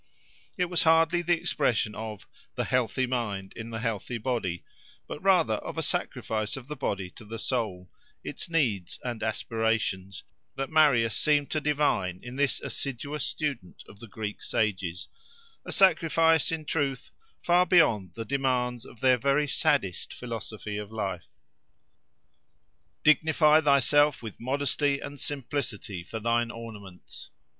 It was hardly the expression of "the healthy mind in the healthy body," but rather of a sacrifice of the body to the soul, its needs and aspirations, that Marius seemed to divine in this assiduous student of the Greek sages—a sacrifice, in truth, far beyond the demands of their very saddest philosophy of life. Dignify thyself with modesty and simplicity for thine ornaments!